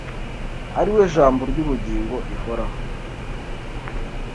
ari we Jambo ry’ubugingo rihoraho